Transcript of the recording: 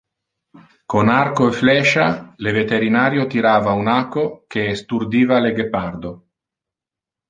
Con arco e flecha le veterinario tirava un aco que esturdiva le guepardo.